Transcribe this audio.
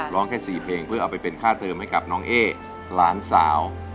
ร้องแค่๔เพลงเพื่อเอาไปเป็นค่าเติมให้กับน้องเอ๊หลานสาว